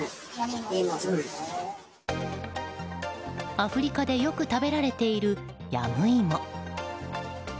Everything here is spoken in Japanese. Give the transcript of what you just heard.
アフリカでよく食べられているヤムイモ。